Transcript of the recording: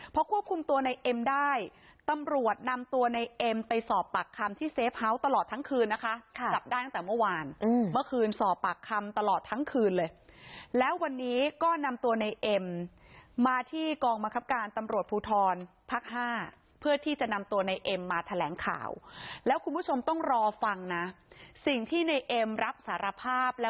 พอควบคุมตัวในเอ็มได้ตำรวจนำตัวในเอ็มไปสอบปากคำที่เซฟเฮาส์ตลอดทั้งคืนนะคะจับได้ตั้งแต่เมื่อวานเมื่อคืนสอบปากคำตลอดทั้งคืนเลยแล้ววันนี้ก็นำตัวในเอ็มมาที่กองบังคับการตำรวจภูทรภักดิ์๕เพื่อที่จะนำตัวในเอ็มมาแถลงข่าวแล้วคุณผู้ชมต้องรอฟังนะสิ่งที่ในเอ็มรับสารภาพแล้ว